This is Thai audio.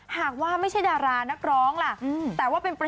หากว่าไม่ใช่ดารานักร้องล่ะ